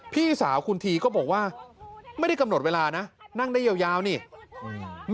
พี่สาวคุณทีก็บอกว่าไม่ได้กำหนดเวลานะนั่งได้ยาวยาวนี่อืม